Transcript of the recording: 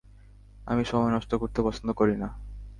আমি সময় নষ্ট করতে পছন্দ করি না।